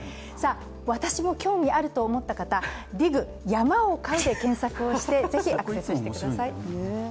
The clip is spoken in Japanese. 私も興味あると思った方「ＤＩＧ山を買う」で検索をしてぜひアクセスしてください。